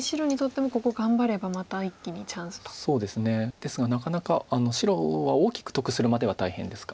ですがなかなか白は大きく得するまでは大変ですか。